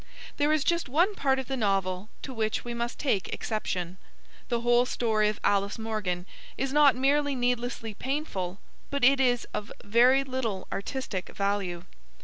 There is just one part of the novel to which we must take exception. The whole story of Alice Morgan is not merely needlessly painful, but it is of very little artistic value.